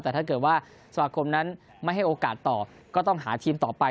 แต่ถ้าเกิดว่าสมาคมนั้นไม่ให้โอกาสต่อก็ต้องหาทีมต่อไป